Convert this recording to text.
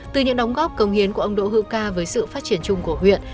từ những đóng góp công hiến của ông đỗ hữu ca với sự phát triển chung của huyện